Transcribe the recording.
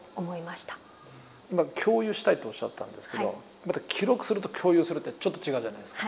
今「共有したい」っておっしゃったんですけど「記録する」と「共有する」ってちょっと違うじゃないですか。